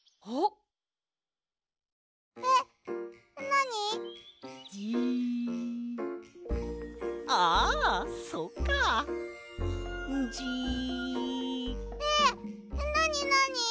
なになに？